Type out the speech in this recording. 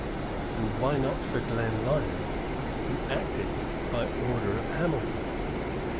And why not for Glenlyon who acted by order of Hamilton?